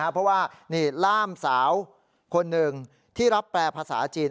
เพราะว่านี่ล่ามสาวคนหนึ่งที่รับแปลภาษาจีน